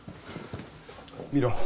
見ろ。